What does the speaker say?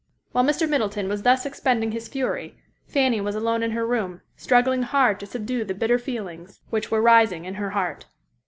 While Mr. Middleton was thus expending his fury, Fanny was alone in her room, struggling hard to subdue the bitter feelings which were rising in her heart.